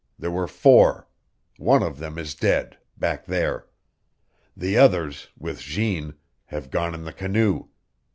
There were four. One of them is dead back there. The others with Jeanne have gone in the canoe.